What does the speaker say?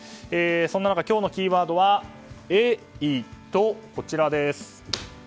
そんな中今日のキーワードはエイト。